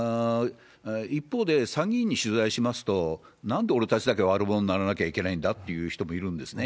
一方で、参議院に取材しますと、なんで俺たちだけ悪者にならなきゃいけないんだという人もいるんですね。